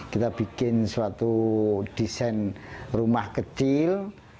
kita bikin suatu desain rumah kecil